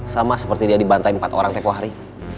sama seperti dia dibantai empat orang tekoh hari